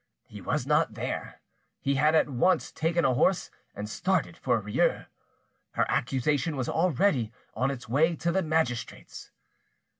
He was not there: he had at once taken a horse and started for Rieux. Her accusation was already on its way to the magistrates!